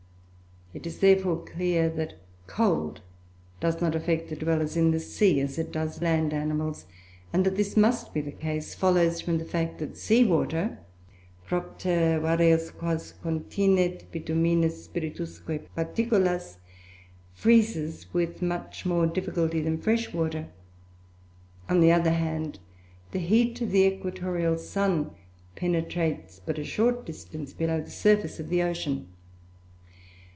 It is, therefore, clear that cold does not affect the dwellers in the sea as it does land animals, and that this must be the case follows from the fact that sea water, "propter varias quas continet bituminis spiritusque particulas," freezes with much more difficulty than fresh water. On the other hand, the heat of the Equatorial sun penetrates but a short distance below the surface of the ocean.